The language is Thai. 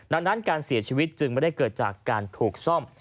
ดังนั้นการเสียชีวิตจึงไม่ได้เกิดจากการถูกซ่อม